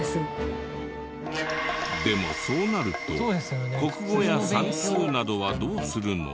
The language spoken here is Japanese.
でもそうなると国語や算数などはどうするの？